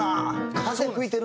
風吹いてるな。